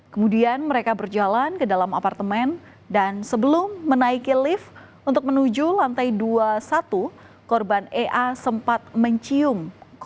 kemudian mereka berjalan ke dalam apartemen dan sebelum menaiki lift untuk menuju lantai dua puluh satu korban ea sempat mencium